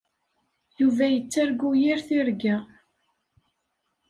Yuba yettargu yir tirga.